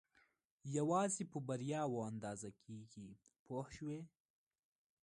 یوازې په بریاوو اندازه کېږي پوه شوې!.